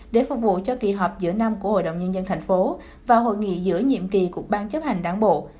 để phục vụ cho kỳ họp giữa năm của hội đồng nhân dân thành phố và hội nghị giữa nhiệm kỳ của ban chấp hành đảng bộ